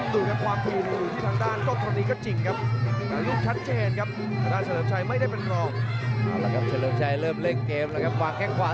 ดูนะครับความทีมอยู่ที่ทางด้านต้นตอนนี้ก็จริงครับ